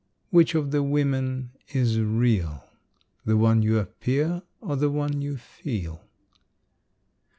Which of the women is real? The one you appear, or the one you feel?